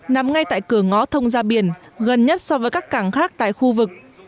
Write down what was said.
nằm ngay tại cửa ngó thông ra biển gần nhất so với các cảng khác tại khu vực